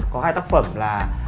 có hai tác phẩm là